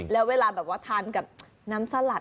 แล้วเวลาแบบว่าทานกับน้ำสลัด